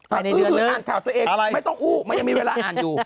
หรืออ่านข่าวตัวเองไม่ต้องอู้มันยังมีเวลาอ่านอยู่